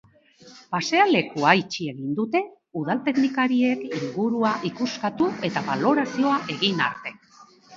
Pasealekua itxi egin dute, udal teknikariek ingurua ikuskatu eta balorazioa egin arte.